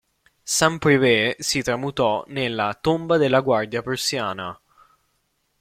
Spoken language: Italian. Saint-Privat si tramutò nella "tomba della Guardia prussiana".